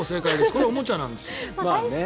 これはおもちゃなんです。